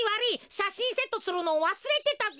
しゃしんセットするのわすれてたぜ。